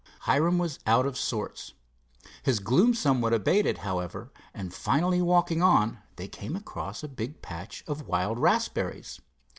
Hiram was out of sorts. His gloom somewhat abated, however, and finally walking on, they came across a big patch of wild raspberries.